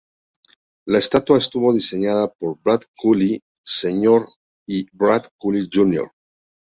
La estatua estuvo diseñada por Brad Cooley, Sr. Y Brad Cooley, Jr.